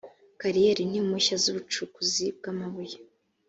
kariyeri ni impushya z’ ubucukuzi bw’ amabuye